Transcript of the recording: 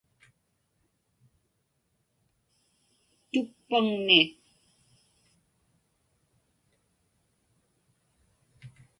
tuppaŋni